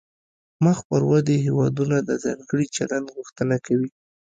مخ پر ودې هیوادونه د ځانګړي چلند غوښتنه کوي